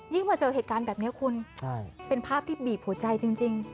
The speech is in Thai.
มาเจอเหตุการณ์แบบนี้คุณเป็นภาพที่บีบหัวใจจริง